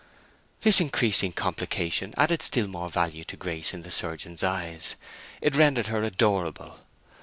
This increasing complication added still more value to Grace in the surgeon's eyes: it rendered her adorable.